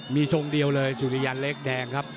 มีทรงเดียวเลยสุริยันเล็กแดงครับ